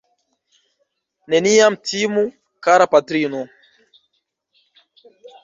Neniam timu, kara patrino!